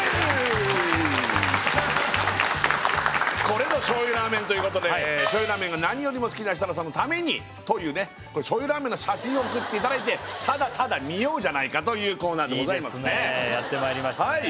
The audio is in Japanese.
これぞ醤油ラーメンということで醤油ラーメンが何よりも好きな設楽さんのためにというね醤油ラーメンの写真を送っていただいてただただ見ようじゃないかというコーナーでございますねいいですねやってまいりましたね